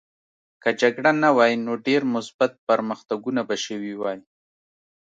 که جګړه نه وای نو ډېر مثبت پرمختګونه به شوي وای